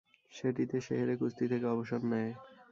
সেটিতে সে হেরে কুস্তি থেকে অবসর নেয়।